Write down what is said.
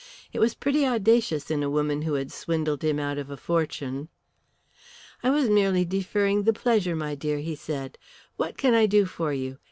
It was pretty audacious in a woman who had swindled him out of a fortune. "I was merely deferring the pleasure, my dear," he said. "What can I do for you?